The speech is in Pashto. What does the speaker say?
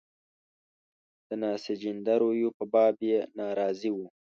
د ناسنجیده رویو په باب یې ناراضي وو.